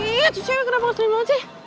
ih itu cewe kenapa gak seling banget sih